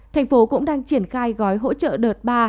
thành phố cũng đang triển khai gói hỗ trợ đợt ba